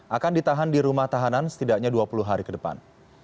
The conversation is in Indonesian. akan ditahan di rumah tahanan setidaknya dua puluh hari ke depan